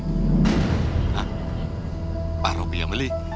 hah pak rubi yang beli